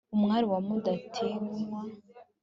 umwari wa mudatinywa